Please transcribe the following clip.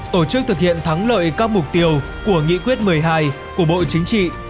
tổ chức thực hiện thắng lợi các mục tiêu của nghị quyết một mươi hai của bộ chính trị